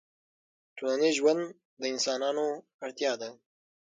ټولنیز ژوند د انسانانو اړتیا ده